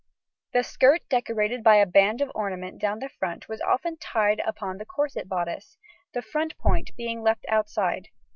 The skirt decorated by a band of ornament down the front was often tied upon the corset bodice, the front point being left outside.